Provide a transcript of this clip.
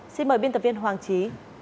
xin mời biên tập viên hoàng trí